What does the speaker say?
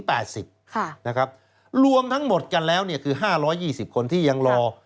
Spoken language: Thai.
ค่ะนะครับรวมทั้งหมดกันแล้วเนี่ยคือ๕๒๐คนที่ยังรอ